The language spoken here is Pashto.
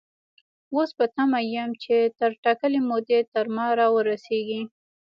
اوس په تمه يم چې تر ټاکلې مودې تر ما را ورسيږي.